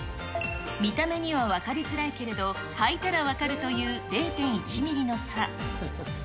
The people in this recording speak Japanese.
見た目には分かりづらいけれど、履いたら分かるという０．１ミリの差。